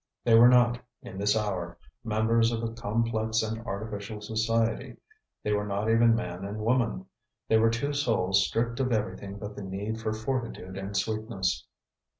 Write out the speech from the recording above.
They were not, in this hour, members of a complex and artificial society; they were not even man and woman; they were two souls stripped of everything but the need for fortitude and sweetness.